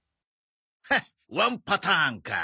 フッワンパターンか。